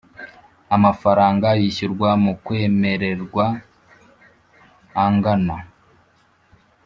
Amafaranga yishyurwa mu kwemererwa angana